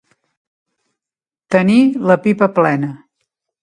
Tenir la pipa plena.